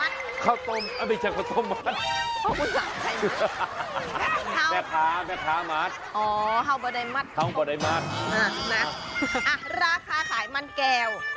แต่ท้าแต่ท้ามัตต์อ๋อมาอะราคาขายมันแก้ว